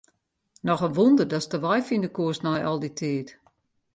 Noch in wûnder datst de wei fine koest nei al dy tiid.